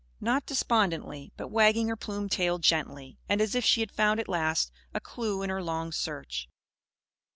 Not despondently; but wagging her plumed tail gently, and as if she had found at last a clue in her long search.